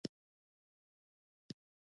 دوی له ګاونډیو هیوادونو سره سوداګري کوي.